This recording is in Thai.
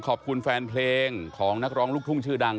ขอบคุณแฟนเพลงของนักร้องลูกทุ่งชื่อดัง